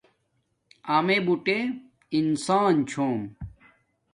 امیے بوٹے انسان چھوم